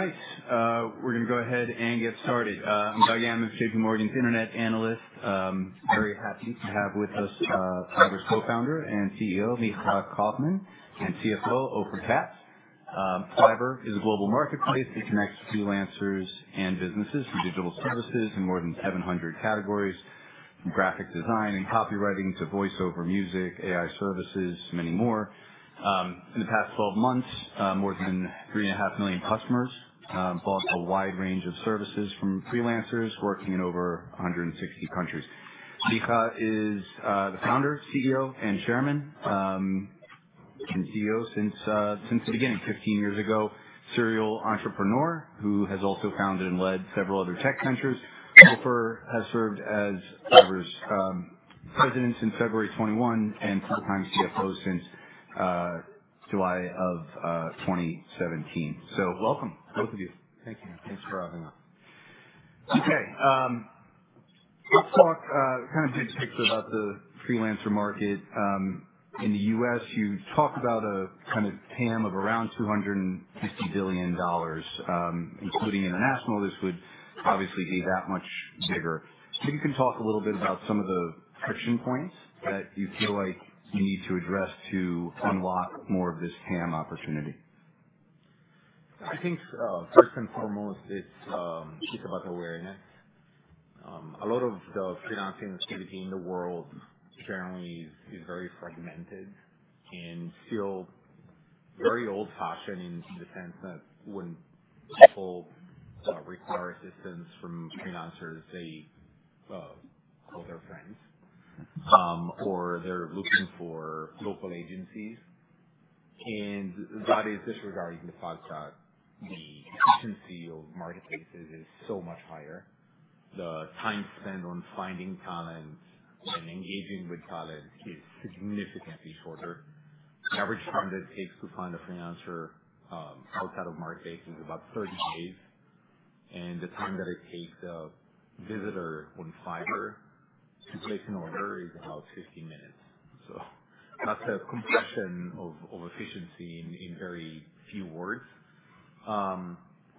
Right. We're going to go ahead and get started. I'm Doug Anmuth, J.P. Morgan's Internet Analyst. Very happy to have with us Fiverr's co-founder and CEO, Micha Kaufman, and CFO, Ofer Katz. Fiverr is a global marketplace that connects freelancers and businesses for digital services in more than 700 categories, from graphic design and copywriting to voice-over, music, AI services, many more. In the past 12 months, more than 3.5 million customers bought a wide range of services from freelancers working in over 160 countries. Micha is the founder, CEO, and chairman, and CEO since the beginning, 15 years ago, serial entrepreneur who has also founded and led several other tech ventures. Ofer has served as Fiverr's president since February 2021 and full-time CFO since July of 2017. So welcome, both of you. Thank you. Thanks for having us. Okay. Let's talk kind of big picture about the freelancer market. In the U.S., you talked about a kind of TAM of around $250 billion, including international. This would obviously be that much bigger. Maybe you can talk a little bit about some of the friction points that you feel like you need to address to unlock more of this TAM opportunity. I think, first and foremost, it's about awareness. A lot of the freelancing activity in the world currently is very fragmented and still very old-fashioned in the sense that when people require assistance from freelancers, they call their friends or they're looking for local agencies. That is disregarding the fact that the efficiency of marketplaces is so much higher. The time spent on finding talent and engaging with talent is significantly shorter. The average time that it takes to find a freelancer outside of marketplaces is about 30 days. The time that it takes a visitor on Fiverr to place an order is about 15 minutes. That's a compression of efficiency in very few words.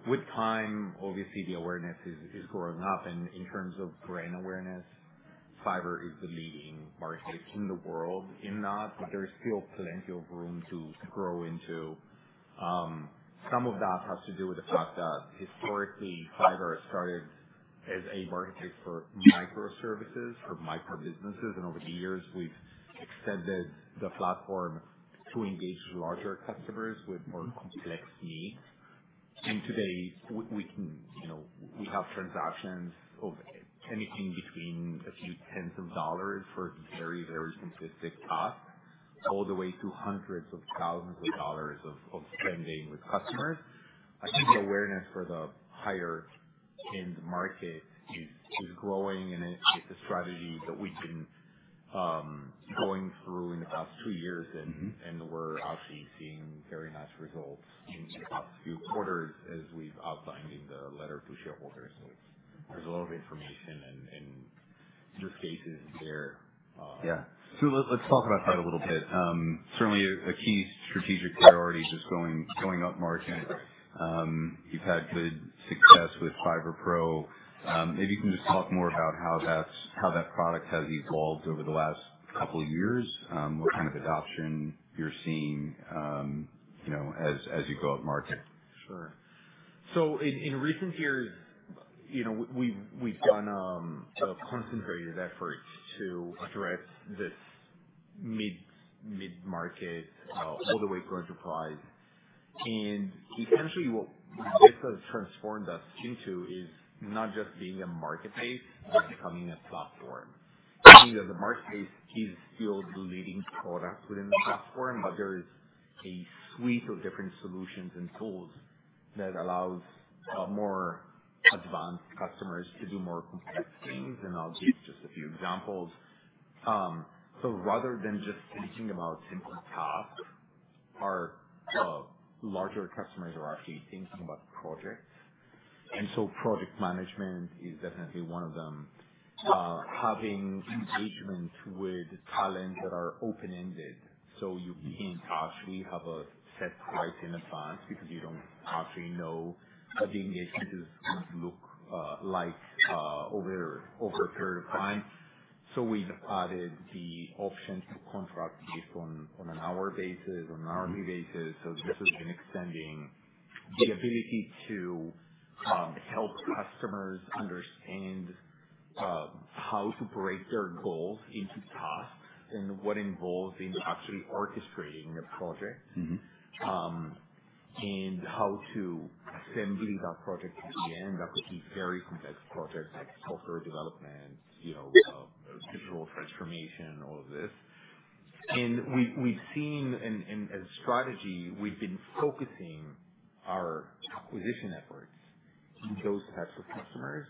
With time, obviously, the awareness is growing up. In terms of brand awareness, Fiverr is the leading marketplace in the world in that, but there is still plenty of room to grow into. Some of that has to do with the fact that historically, Fiverr started as a marketplace for microservices, for micro-businesses. Over the years, we've extended the platform to engage larger customers with more complex needs. Today, we have transactions of anything between a few tens of dollars for very, very simplistic tasks all the way to hundreds of thousands of dollars of spending with customers. I think the awareness for the higher-end market is growing, and it's a strategy that we've been going through in the past two years. We're actually seeing very nice results in the past few quarters, as we've outlined in the letter to shareholders. There is a lot of information and use cases there. Yeah. Let's talk about that a little bit. Certainly, a key strategic priority is going up market. You've had good success with Fiverr Pro. Maybe you can just talk more about how that product has evolved over the last couple of years, what kind of adoption you're seeing as you go up market. Sure. In recent years, we've done a concentrated effort to address this mid-market all-the-way-to-enterprise. Essentially, what this has transformed us into is not just being a marketplace, but becoming a platform. The marketplace is still the leading product within the platform, but there is a suite of different solutions and tools that allows more advanced customers to do more complex things. I'll give just a few examples. Rather than just thinking about simple tasks, our larger customers are actually thinking about projects. Project management is definitely one of them. Having engagement with talents that are open-ended. You can't actually have a set price in advance because you don't actually know what the engagement is going to look like over a period of time. We've added the option to contract based on an hourly basis. This has been extending the ability to help customers understand how to break their goals into tasks and what involves in actually orchestrating a project and how to assembly that project to the end. That could be very complex projects like software development, digital transformation, all of this. We've seen as a strategy, we've been focusing our acquisition efforts on those types of customers,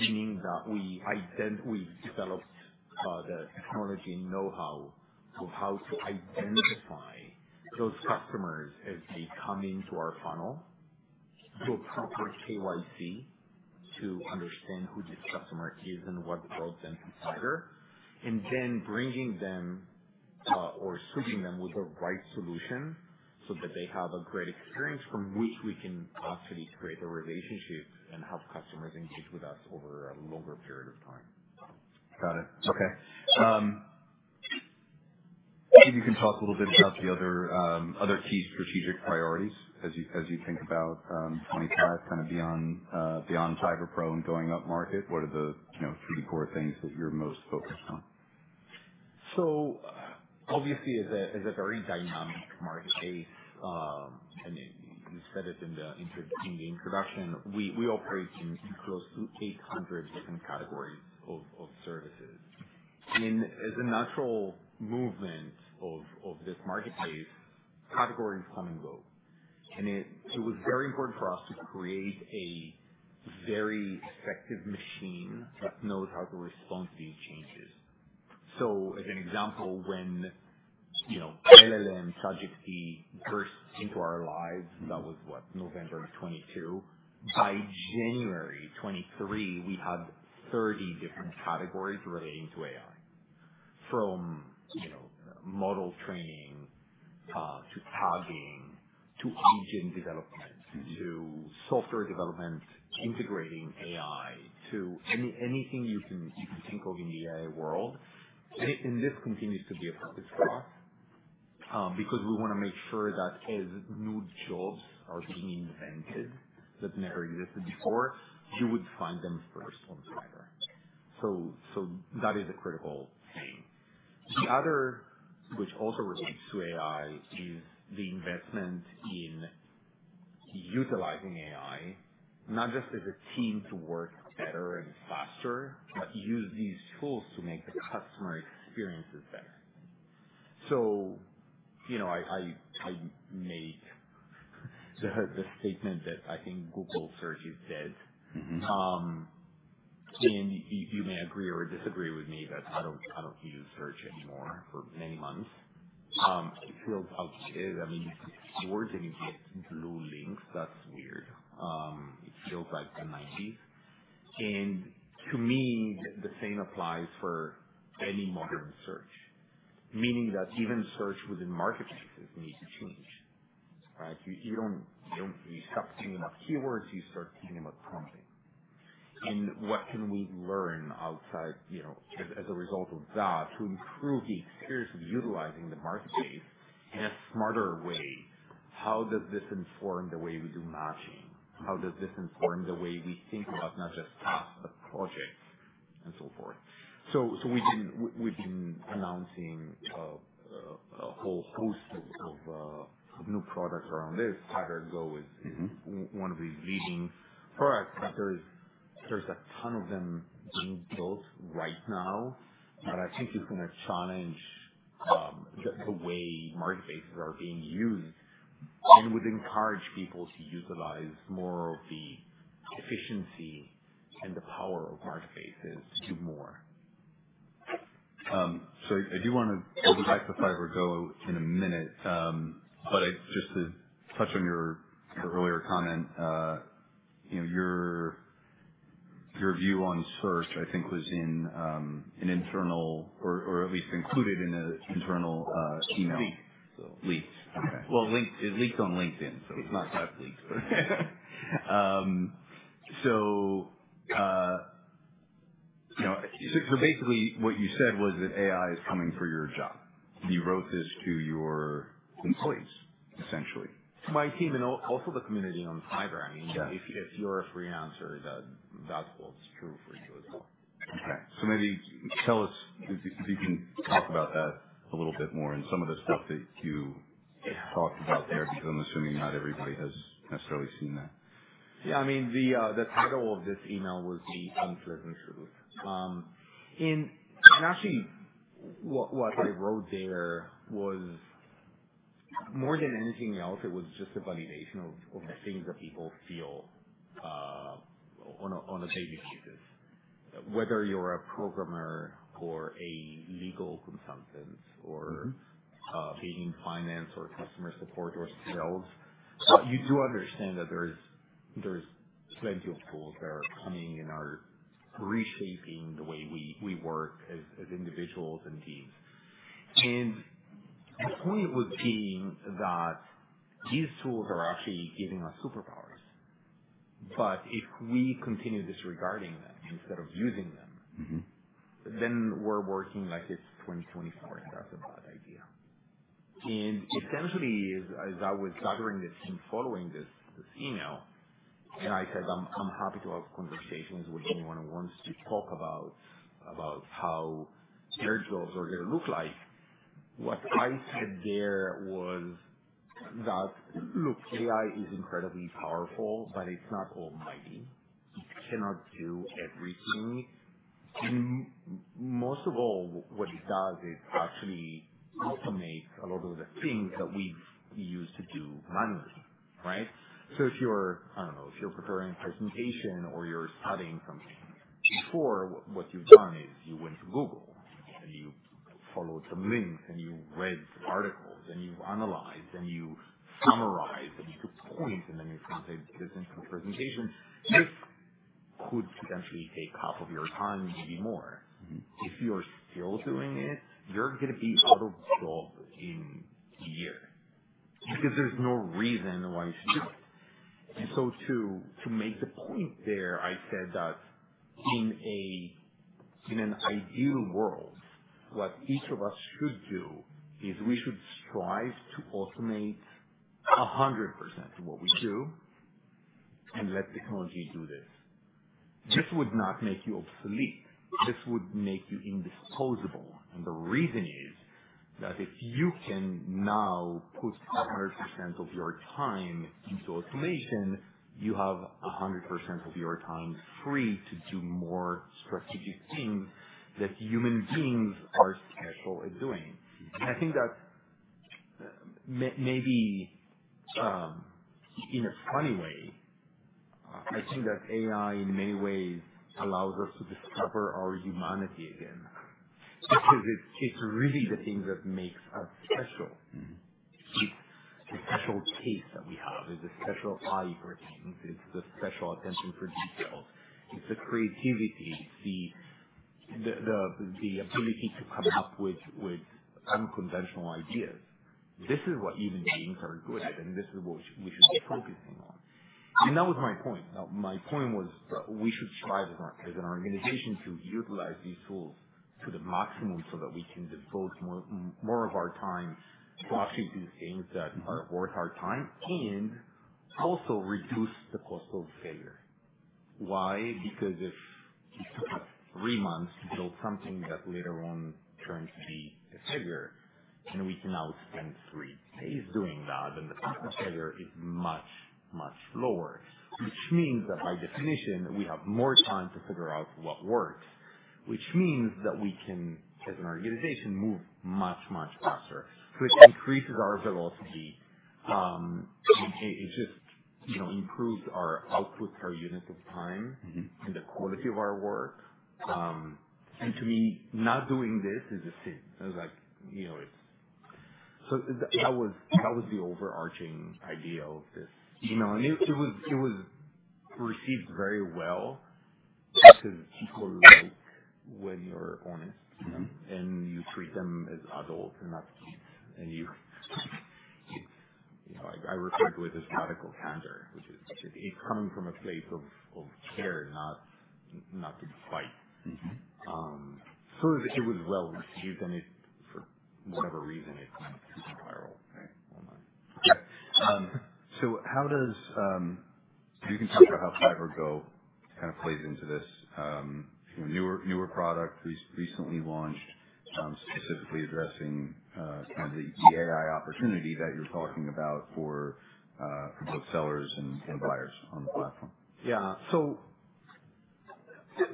meaning that we've developed the technology and know-how of how to identify those customers as they come into our funnel, do a proper KYC to understand who this customer is and what brought them to Fiverr, and then bringing them or suiting them with the right solution so that they have a great experience from which we can actually create a relationship and have customers engage with us over a longer period of time. Got it. Okay. Maybe you can talk a little bit about the other key strategic priorities as you think about 2025 kind of beyond Fiverr Pro and going up market. What are the three to four things that you're most focused on? Obviously, it's a very dynamic marketplace. You said it in the introduction. We operate in close to 800 different categories of services. As a natural movement of this marketplace, categories come and go. It was very important for us to create a very effective machine that knows how to respond to these changes. As an example, when LLM, ChatGPT burst into our lives, that was, what, November 2022? By January 2023, we had 30 different categories relating to AI, from model training to tagging to agent development to software development integrating AI to anything you can think of in the AI world. This continues to be a focus for us because we want to make sure that as new jobs are being invented that never existed before, you would find them first on Fiverr. That is a critical thing. The other, which also relates to AI, is the investment in utilizing AI, not just as a team to work better and faster, but use these tools to make the customer experiences better. I make the statement that I think Google search is dead. You may agree or disagree with me that I do not use search anymore for many months. It feels outdated. I mean, you see words and you get blue links. That is weird. It feels like the 1990s. To me, the same applies for any modern search, meaning that even search within marketplaces needs to change, right? You stop thinking about keywords; you start thinking about prompting. What can we learn outside as a result of that to improve the experience of utilizing the marketplace in a smarter way? How does this inform the way we do matching? How does this inform the way we think about not just tasks, but projects and so forth? We have been announcing a whole host of new products around this. Fiverr Go is one of the leading products, but there is a ton of them being built right now. I think it is going to challenge the way marketplaces are being used and would encourage people to utilize more of the efficiency and the power of marketplaces to do more. I do want to go back to Fiverr Go in a minute, but just to touch on your earlier comment, your view on search, I think, was in an internal or at least included in an internal email. It's leaked. Leaked. Okay. It leaked on LinkedIn, so it's not that leaked, but. Basically, what you said was that AI is coming for your job. You wrote this to your employees, essentially. My team and also the community on Fiverr. I mean, if you're a freelancer, that holds true for you as well. Okay. Maybe tell us if you can talk about that a little bit more and some of the stuff that you talked about there because I'm assuming not everybody has necessarily seen that. Yeah. I mean, the title of this email was The Unpleasant Truth. And actually, what I wrote there was, more than anything else, it was just a validation of the things that people feel on a daily basis. Whether you're a programmer or a legal consultant or being in finance or customer support or sales, you do understand that there's plenty of tools that are coming and are reshaping the way we work as individuals and teams. The point was being that these tools are actually giving us superpowers. But if we continue disregarding them instead of using them, then we're working like it's 2024, and that's a bad idea. Essentially, as I was gathering this and following this email, I said, "I'm happy to have conversations with anyone who wants to talk about how their jobs are going to look like." What I said there was that, "Look, AI is incredibly powerful, but it's not almighty. It cannot do everything. Most of all, what it does is actually automate a lot of the things that we used to do manually, right?" If you're—I don't know—if you're preparing a presentation or you're studying something, before, what you've done is you went to Google and you followed some links and you read articles and you analyzed and you summarized and you took points and then you presented this in a presentation. This could potentially take half of your time, maybe more. If you're still doing it, you're going to be out of job in a year because there's no reason why you should do it. To make the point there, I said that in an ideal world, what each of us should do is we should strive to automate 100% of what we do and let technology do this. This would not make you obsolete. This would make you indisposable. The reason is that if you can now put 100% of your time into automation, you have 100% of your time free to do more strategic things that human beings are special at doing. I think that maybe in a funny way, I think that AI in many ways allows us to discover our humanity again because it's really the thing that makes us special. It's the special taste that we have. It's the special eye for things. It's the special attention for details. It's the creativity, the ability to come up with unconventional ideas. This is what human beings are good at, and this is what we should be focusing on. That was my point. My point was that we should strive as an organization to utilize these tools to the maximum so that we can devote more of our time to actually do things that are worth our time and also reduce the cost of failure. Why? Because if it took us three months to build something that later on turns to be a failure, and we can now spend three days doing that, then the cost of failure is much, much lower, which means that by definition, we have more time to figure out what works, which means that we can, as an organization, move much, much faster. It increases our velocity. It just improves our output per unit of time and the quality of our work. To me, not doing this is a sin. I was like, "It's..." That was the overarching idea of this email. It was received very well because people like when you're honest and you treat them as adults and not kids. I refer to it as radical candor, which is coming from a place of care, not to fight. It was well received, and for whatever reason, it went viral. Right. Okay. So how does—you can talk about how Fiverr Go kind of plays into this. Newer product recently launched specifically addressing kind of the AI opportunity that you're talking about for both sellers and buyers on the platform. Yeah. So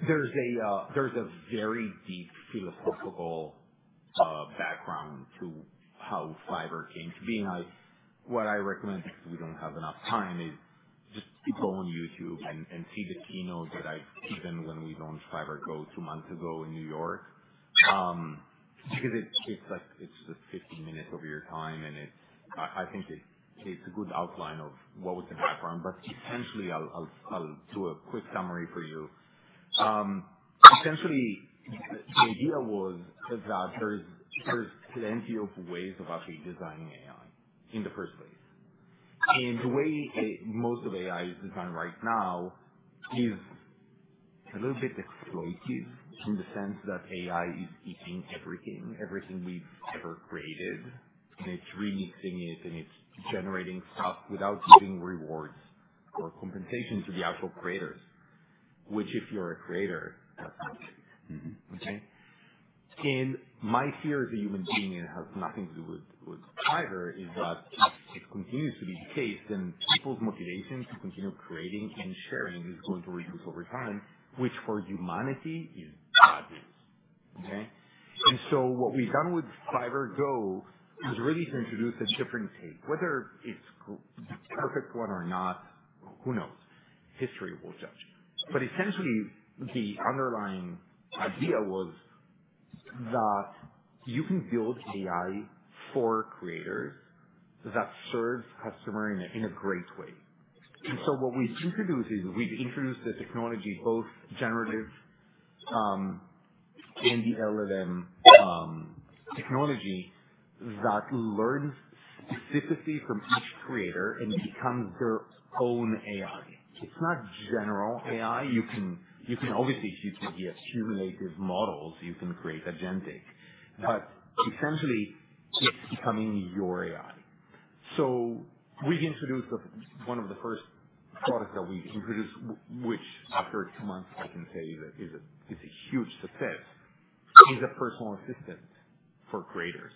there's a very deep philosophical background to how Fiverr came to be. What I recommend, because we don't have enough time, is just go on YouTube and see the keynote that I've given when we launched Fiverr Go two months ago in New York because it's just 15 minutes of your time. I think it's a good outline of what was the background, but essentially, I'll do a quick summary for you. Essentially, the idea was that there's plenty of ways of actually designing AI in the first place. The way most of AI is designed right now is a little bit exploitive in the sense that AI is eating everything, everything we've ever created, and it's remixing it, and it's generating stuff without giving rewards or compensation to the actual creators, which if you're a creator, that's not good, okay? My fear as a human being—and it has nothing to do with Fiverr—is that if it continues to be the case, then people's motivation to continue creating and sharing is going to reduce over time, which for humanity is bad news, okay? What we've done with Fiverr Go was really to introduce a different take. Whether it's the perfect one or not, who knows? History will judge. Essentially, the underlying idea was that you can build AI for creators that serves customers in a great way. What we've introduced is we've introduced the technology, both generative and the LLM technology, that learns specifically from each creator and becomes their own AI. It's not general AI. You can obviously see it's going to be accumulative models. You can create agentic. Essentially, it's becoming your AI. We've introduced one of the first products that we've introduced, which after two months, I can tell you that it's a huge success, is a personal assistant for creators.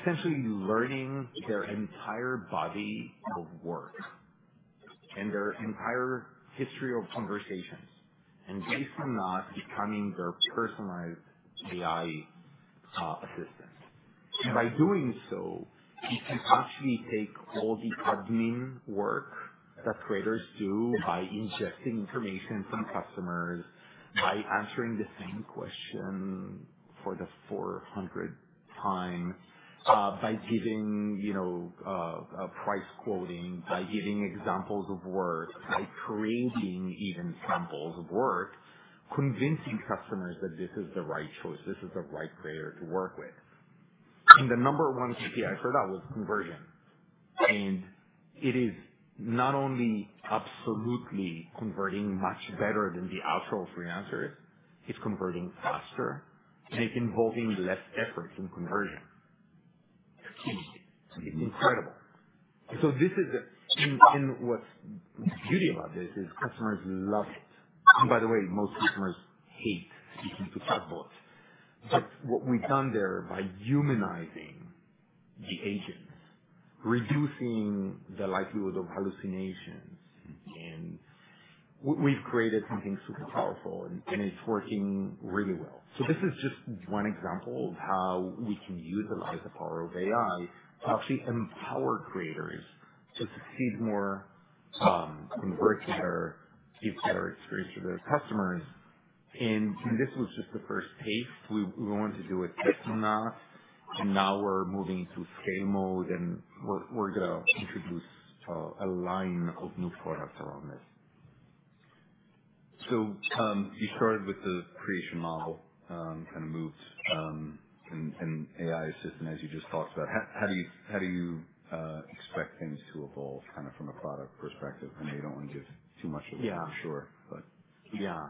Essentially, learning their entire body of work and their entire history of conversations and basically now becoming their personalized AI assistant. By doing so, you can actually take all the admin work that creators do by ingesting information from customers, by answering the same question for the 400th time, by giving a price quoting, by giving examples of work, by creating even samples of work, convincing customers that this is the right choice, this is the right creator to work with. The number one KPI for that was conversion. It is not only absolutely converting much better than the actual freelancers, it's converting faster, and it's involving less effort in conversion. It's incredible. What's beauty about this is customers love it. By the way, most customers hate speaking to chatbots. What we've done there by humanizing the agents, reducing the likelihood of hallucinations, we've created something super powerful, and it's working really well. This is just one example of how we can utilize the power of AI to actually empower creators to succeed more, convert better, give better experience to their customers. This was just the first taste. We wanted to do it. It's not. Now we're moving into scale mode, and we're going to introduce a line of new products around this. So you started with the creation model, kind of moved an AI assistant, as you just talked about. How do you expect things to evolve kind of from a product perspective? I mean, you don't want to give too much away for sure, but. Yeah.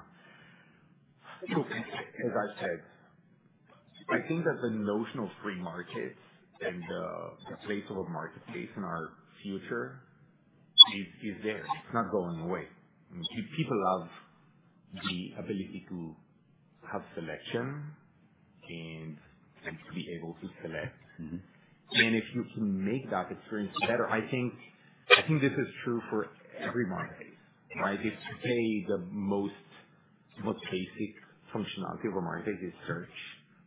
As I said, I think that the notion of free markets and the place of a marketplace in our future is there. It's not going away. People love the ability to have selection and to be able to select. If you can make that experience better, I think this is true for every marketplace, right? If you pay the most basic functionality of a marketplace, it's search.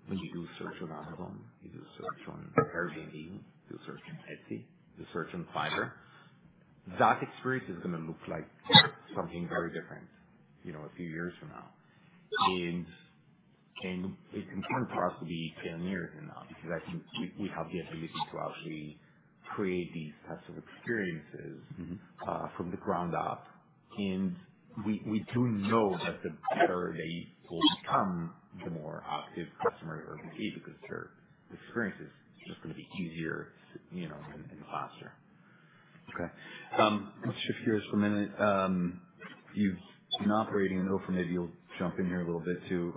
When you do search on Amazon, you do search on Airbnb, you do search on Etsy, you search on Fiverr, that experience is going to look like something very different a few years from now. It's important for us to be pioneers in that because I think we have the ability to actually create these types of experiences from the ground up. We do know that the better they will become, the more active customers are going to be because their experience is just going to be easier and faster. Okay. Let's shift gears for a minute. You've been operating, and Ofer maybe you'll jump in here a little bit too,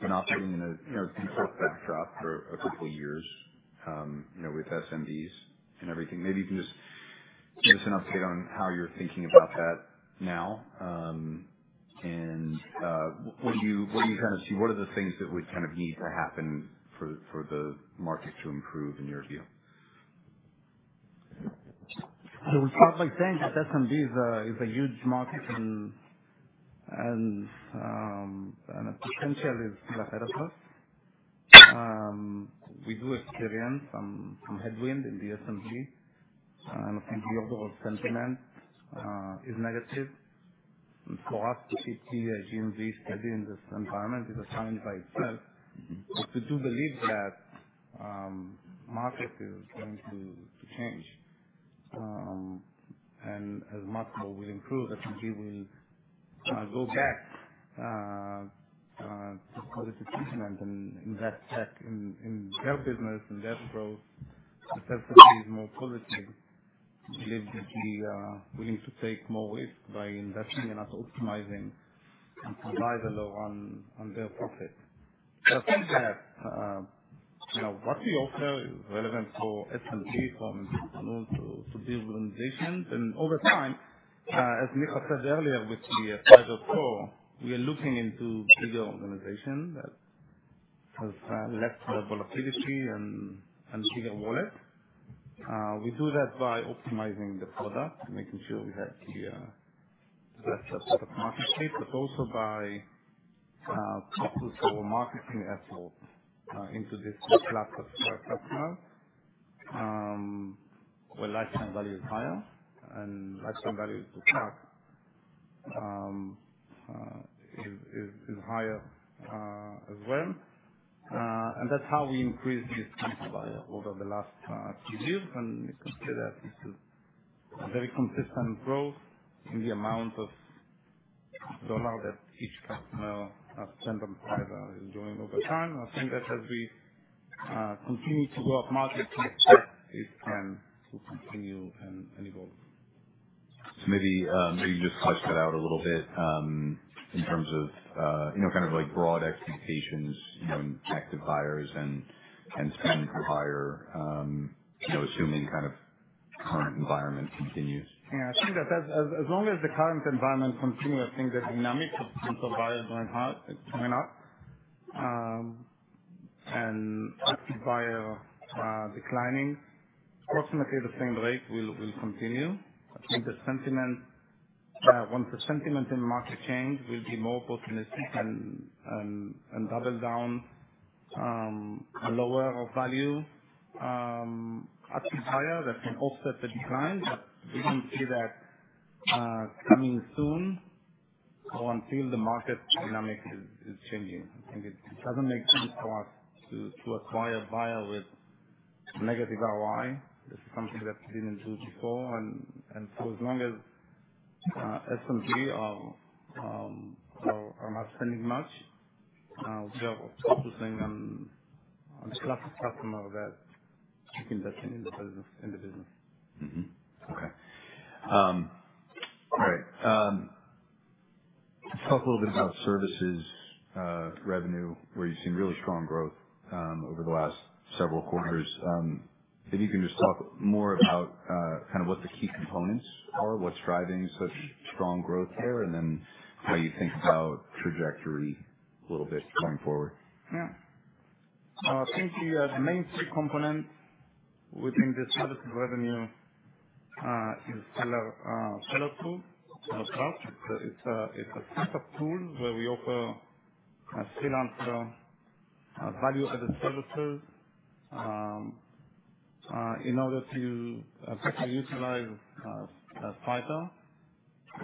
been operating in a default backdrop for a couple of years with SMBs and everything. Maybe you can just give us an update on how you're thinking about that now. What do you kind of see? What are the things that would kind of need to happen for the market to improve in your view? We start by saying that SMB is a huge market. The potential is ahead of us. We do experience some headwind in the SMB, and I think the overall sentiment is negative. For us, to be a GMV study in this environment is a challenge by itself. We do believe that the market is going to change. As much more will improve, SMB will go back to some of the decisions and invest back in their business and their growth. If SMB is more positive, we'll be willing to take more risk by investing and not optimizing and provide a low run on their profit. I think that what we offer is relevant for SMB, for business owners, to build organizations. Over time, as Micha said earlier with the Fiverr Pro, we are looking into bigger organizations that have less volatility and bigger wallets. We do that by optimizing the product, making sure we have the best market fit, but also by focusing our marketing efforts into this class of customers where lifetime value is higher and lifetime value to product is higher as well. That is how we increased this company over the last few years. You can see that it is a very consistent growth in the amount of dollars that each customer spends on Fiverr is doing over time. I think that as we continue to go up market, it can continue and evolve. Maybe you can just flesh that out a little bit in terms of kind of broad expectations and active buyers and spending to hire, assuming kind of current environment continues. Yeah. I think that as long as the current environment continues, I think the dynamic of buyers going up and active buyers declining, approximately the same rate, will continue. I think the sentiment, once the sentiment in the market changes, will be more optimistic and double down a lower of value, active buyers that can offset the decline. We do not see that coming soon or until the market dynamic is changing. I think it does not make sense for us to acquire a buyer with negative ROI. This is something that we did not do before. As long as SMB are not spending much, we are focusing on the class of customers that keep investing in the business. Okay. All right. Let's talk a little bit about services revenue, where you've seen really strong growth over the last several quarters. Maybe you can just talk more about kind of what the key components are, what's driving such strong growth there, and then how you think about trajectory a little bit going forward. Yeah. I think the main key component within this services revenue is seller tools, seller products. It's a set of tools where we offer a freelancer value-added services in order to better utilize Fiverr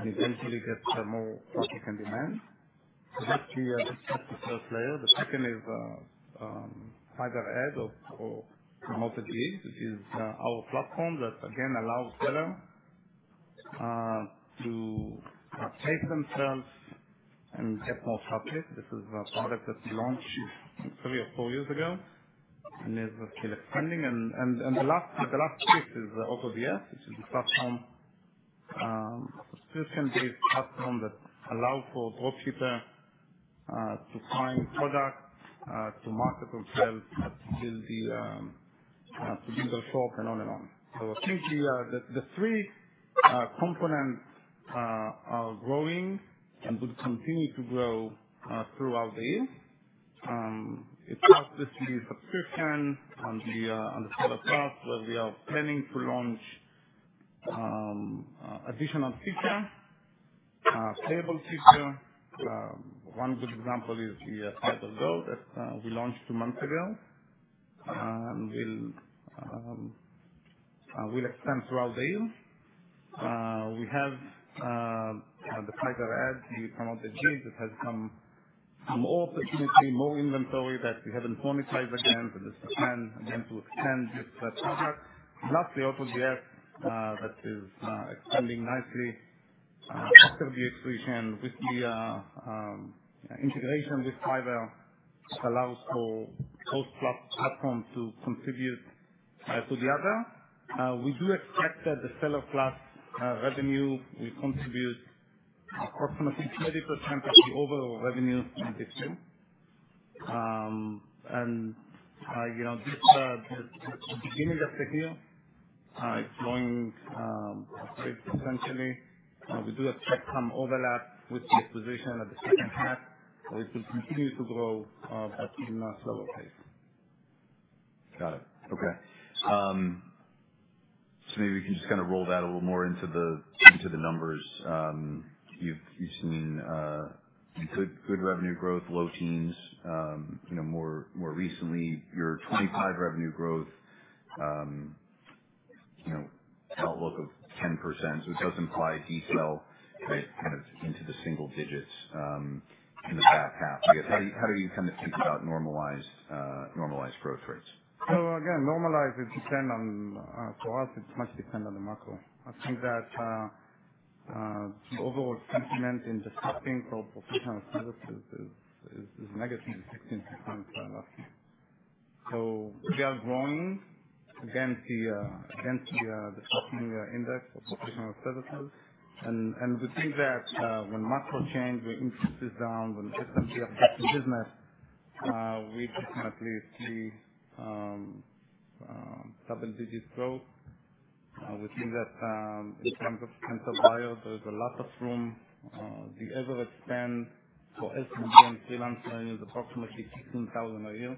and eventually get more traffic and demand. That's the first layer. The second is Fiverr Ads or Promoted Leads, which is our platform that, again, allows sellers to take themselves and get more traffic. This is a product that we launched three or four years ago, and it's still expanding. The last piece is A DS, which is a subscription-based platform that allows for dropshippers to find products, to market themselves, to build the digital shop, and on and on. I think the three components are growing and will continue to grow throughout the year. It starts with the subscription and the seller products, where we are planning to launch additional features, payable features. One good example is the Fiverr Go that we launched two months ago and will extend throughout the year. We have the Fiverr Ads from AutoDS that has some more opportunity, more inventory that we have not monetized against, and it is a plan, again, to extend this product. Lastly, AutoDS that is expanding nicely after the acquisition with the integration with Fiverr, which allows for both platforms to contribute to the other. We do expect that the Seller Plus revenue will contribute approximately 20% of the overall revenue in this year. At the beginning of the year, it is growing very potentially. We do expect some overlap with the acquisition at the second half, but it will continue to grow, but at a slower pace. Got it. Okay. So maybe we can just kind of roll that a little more into the numbers. You've seen good revenue growth, low teens. More recently, your 2025 revenue growth outlook of 10%. So it does imply decel kind of into the single digits in the past half. How do you kind of think about normalized growth rates? Again, normalized is depend on for us, it's much depend on the macro. I think that the overall sentiment in the shopping for professional services is negative 16% last year. We are growing against the shopping index of professional services. We think that when macro change, when interest is down, when SMB are back in business, we definitely see double-digit growth. We think that in terms of potential buyers, there's a lot of room. The average spend for SMB and freelancers is approximately $16,000 a year.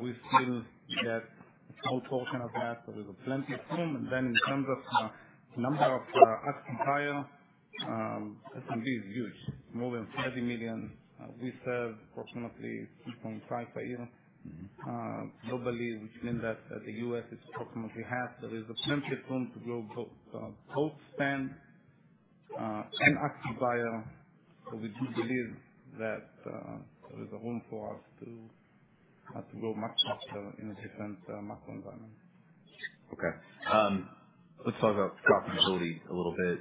We still get a small portion of that, so there's plenty of room. In terms of the number of active buyers, SMB is huge. It's more than 30 million. We serve approximately 2.5 million per year globally, which means that the U.S. is approximately half. There is plenty of room to grow both spend and active buyers. We do believe that there is room for us to grow much faster in a different macro environment. Okay. Let's talk about profitability a little bit.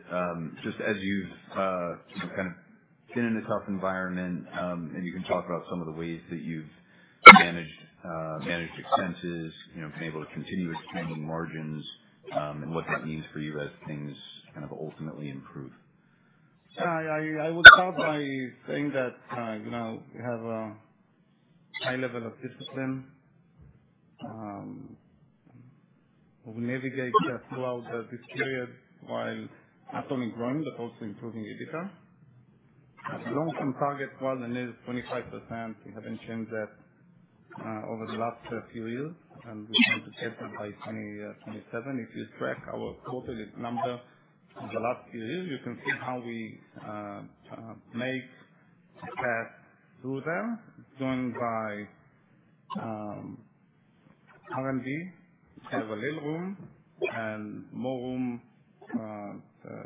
Just as you've kind of been in a tough environment, and you can talk about some of the ways that you've managed expenses, been able to continue expanding margins, and what that means for you as things kind of ultimately improve. Yeah. I will start by saying that we have a high level of discipline. We navigate throughout this period while not only growing but also improving EBITDA. Our long-term target growth is 25%. We haven't changed that over the last few years, and we plan to get that by 2027. If you track our quarterly number in the last few years, you can see how we make a path through there. It's joined by R&D to have a little room and more room to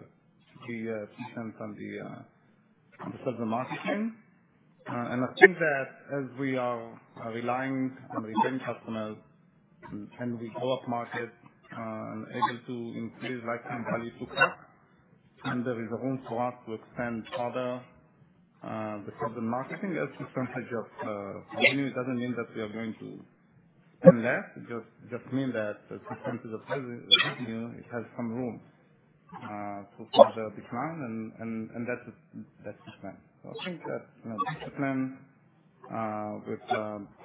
be efficient on the sales and marketing. I think that as we are relying on retained customers and we go up market and are able to increase lifetime value to product, and there is room for us to expand further the sales and marketing, as percentage of revenue doesn't mean that we are going to spend less. It just means that the percentage of revenue, it has some room to further decline, and that's the plan. I think that's the plan with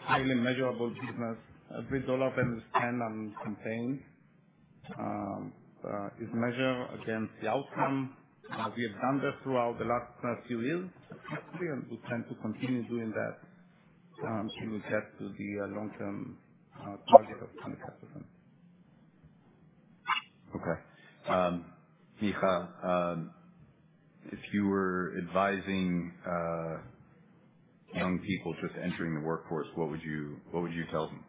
highly measurable business. Every dollar that we spend on campaigns is measured against the outcome. We have done that throughout the last few years, actually, and we plan to continue doing that until we get to the long-term target of 25%. Okay. Micha, if you were advising young people just entering the workforce, what would you tell them?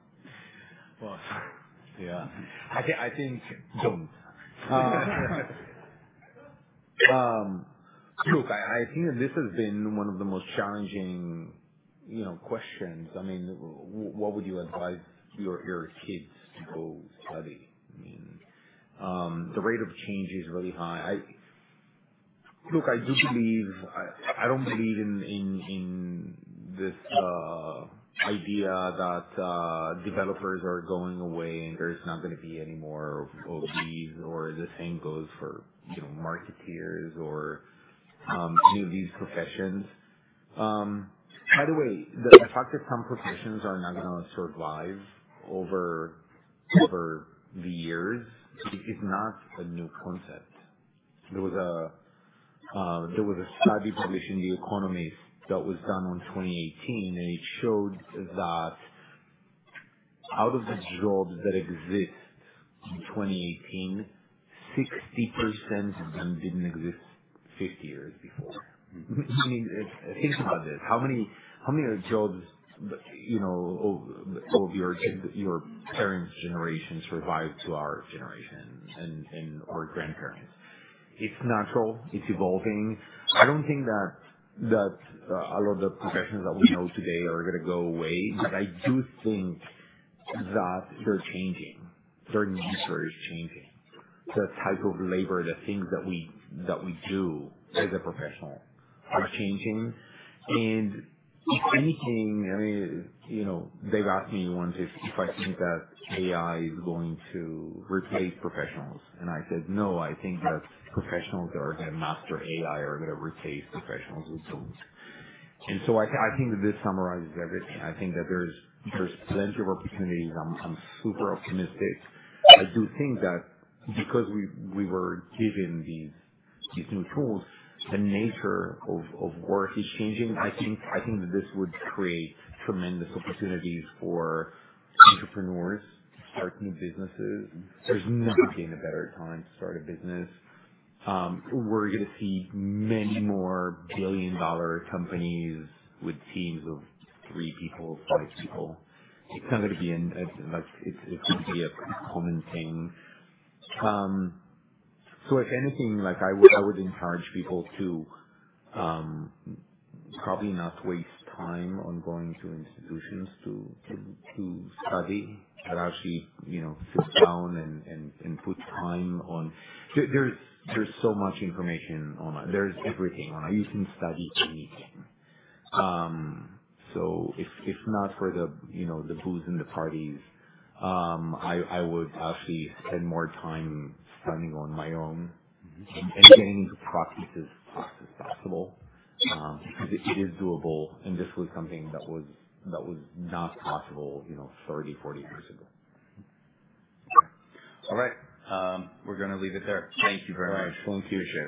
I think, "Don't." Look, I think that this has been one of the most challenging questions. I mean, what would you advise your kids to go study? I mean, the rate of change is really high. Look, I do believe I don't believe in this idea that developers are going away and there's not going to be any more OBs, or the same goes for marketeers or any of these professions. By the way, the fact that some professions are not going to survive over the years is not a new concept. There was a study published in The Economist that was done in 2018, and it showed that out of the jobs that exist in 2018, 60% of them didn't exist 50 years before. I mean, think about this. How many jobs of your parents' generation survived to our generation or grandparents? It's natural. It's evolving. I don't think that a lot of the professions that we know today are going to go away, but I do think that they're changing. Their nature is changing. The type of labor, the things that we do as a professional are changing. If anything, I mean, they've asked me once if I think that AI is going to replace professionals, and I said, "No, I think that professionals that are going to master AI are going to replace professionals who don't." I think that this summarizes everything. I think that there's plenty of opportunities. I'm super optimistic. I do think that because we were given these new tools, the nature of work is changing. I think that this would create tremendous opportunities for entrepreneurs to start new businesses. There's never been a better time to start a business. We're going to see many more billion-dollar companies with teams of three people, five people. It's not going to be a, it's going to be a common thing. If anything, I would encourage people to probably not waste time on going to institutions to study, but actually sit down and put time on. There's so much information online. There's everything online. You can study anything. If not for the booze and the parties, I would actually spend more time studying on my own and getting into practice as fast as possible because it is doable, and this was something that was not possible 30, 40 years ago. Okay. All right. We're going to leave it there. Thank you very much. All right. Thank you.